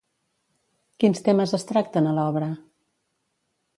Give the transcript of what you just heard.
Quins temes es tracten a l'obra?